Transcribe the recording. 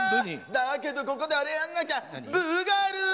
だけどここであれやんなきゃ。